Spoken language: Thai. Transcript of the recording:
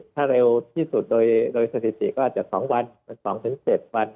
ถ้าเร็วที่สุดโดยสถิติก็อาจจะ๒วันเป็น๒๗วัน